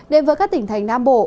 đến với các tỉnh thành nam bộ